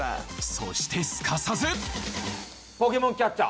そしてすかさずポケモンキャッチャー。